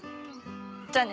じゃあね。